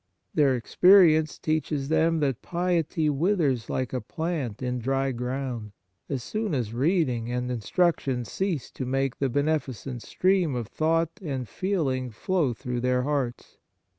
Their experience teaches them that piety withers like a plant in dry ground, as soon as reading and instructions cease to make the beneficent stream of thought and feeling flow through their hearts.